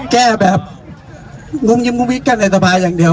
แก้แบบงุ้มยิ้มงุ้มยิ้มกันในสบายอย่างเดียว